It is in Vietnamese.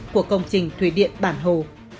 của công trình thủy điện bản hồ